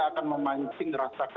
akan memancing rasa kesal publik